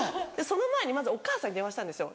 その前にまずお母さんに電話したんですよ。